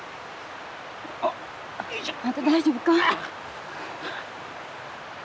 あんた大丈夫か？